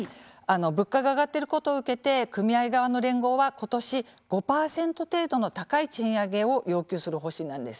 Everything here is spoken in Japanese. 物価が上がっていることを受けて組合側の連合は今年５％程度の高い賃上げを要求する方針なんです。